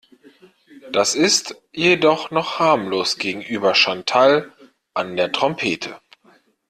Das ist jedoch noch harmlos gegenüber Chantal an der Trompete.